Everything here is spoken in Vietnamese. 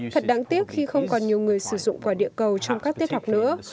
thật đáng tiếc khi không còn nhiều người sử dụng quả địa cầu trong các tiết học nữa